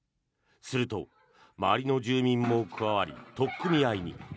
すると、周りの住民も加わり取っ組み合いに。